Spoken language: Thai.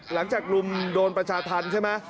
หลังจากรุมโดนประชาธรรมใช่ไหม